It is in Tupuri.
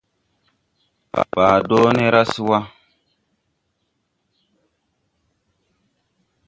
Baa do ne ra se wa.